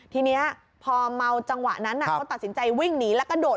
ทีนี้พอเมาจังหวะนั้นเขาตัดสินใจวิ่งหนีแล้วก็โดด